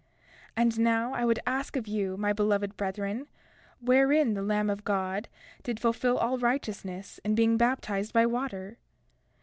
31:6 And now, I would ask of you, my beloved brethren, wherein the Lamb of God did fulfil all righteousness in being baptized by water?